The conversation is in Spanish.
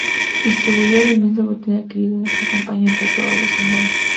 Distribuyó el inmenso botín adquirido en esta campaña entre todos los soldados.